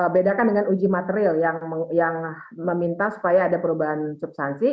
bedakan dengan uji material yang meminta supaya ada perubahan substansi